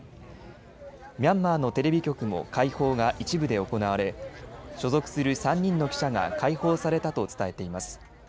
ミャンマーのテレビ局も解放が一部で行われ所属する３人の記者が解放されたと伝えています。